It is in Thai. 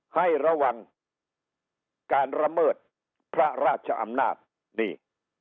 ให้ระวังการระเมิดพระราชอำนาจนี่